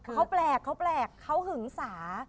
เขาแปลกเขาหึงสา